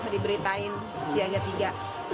diberitain siaga tiga